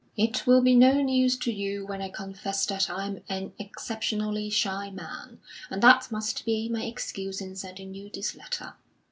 It will be no news to you when I confess that I am an exceptionally shy man, and that must be my excuse in sending you this letter.